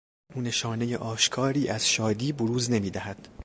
او نشانهی آشکاری از شادی بروز نمیدهد.